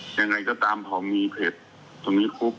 ไหนก็ตามภาวน์มีเพจจังหญิงกลุ่ม